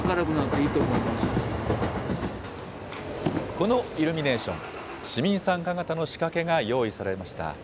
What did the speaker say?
このイルミネーション、市民参加型の仕掛けが用意されました。